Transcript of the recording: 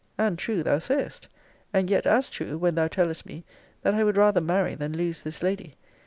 And true thou sayest. And yet as true, when thou tellest me, that I would rather marry than lose this lady.